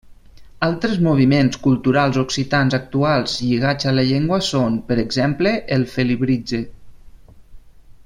Altres moviments culturals occitans actuals lligats a la llengua són, per exemple, el felibritge.